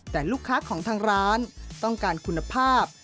แต่ลูกค้าของทางร้านต้องการคุณภาพ